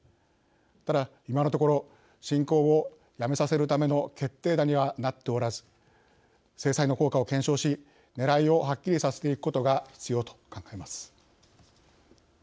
ただ、今のところ侵攻をやめさせるための決定打にはなっておらず制裁の効果を検証し、ねらいをはっきりさせていくことが必要と考えます。